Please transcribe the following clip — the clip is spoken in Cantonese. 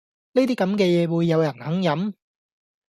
呢啲咁嘅嘢會有人肯飲?